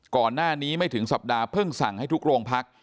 ก่อนหน้านี้ไม่ถึงสัปดาห์เพิ่งสั่งให้ทุกโรงพัก